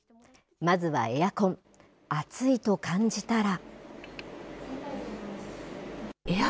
まずはエアコン、暑いと感じたら。